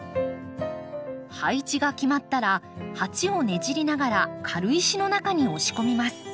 配置が決まったら鉢をねじりながら軽石の中に押し込みます。